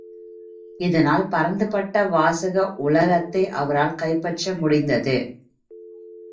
இதனால் பரந்துபட்ட வாசக உலகத்தை அவரால் கைப்பற்ற முடிந்தது.